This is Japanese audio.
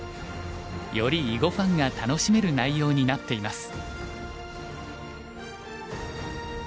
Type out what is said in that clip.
より囲碁ファンが楽しめる内容になっています。